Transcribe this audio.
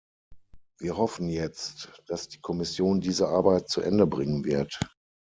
Wir hoffen jetzt, dass die Kommission diese Arbeit zu Ende bringen wird.